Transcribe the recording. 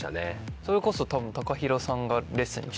それこそＴＡＫＡＨＩＲＯさんがレッスンに来たりとかしてた。